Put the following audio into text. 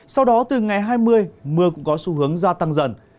sau đó từ ngày hai mươi mưa cũng có xu hướng gia tăng dần